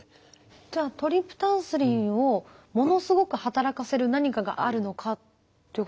じゃあトリプタンスリンをものすごく働かせる何かがあるのかということですか？